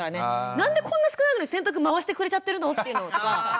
何でこんな少ないのに洗濯回してくれちゃってるの？っていうのとか。